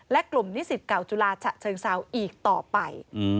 และกลุ่มนิสิตเก่าจุฬาฉะเชิงเซาอีกต่อไป